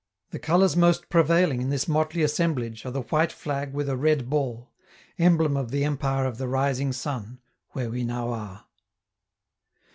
The colors most prevailing in this motley assemblage are the white flag with a red ball, emblem of the Empire of the Rising Sun, where we now are.